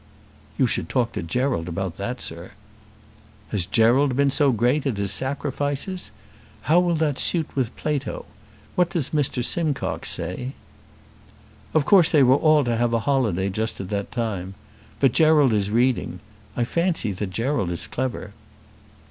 "You should talk to Gerald about that, sir." "Has Gerald been so great at his sacrifices? How will that suit with Plato? What does Mr. Simcox say?" "Of course they were all to have a holiday just at that time. But Gerald is reading. I fancy that Gerald is clever."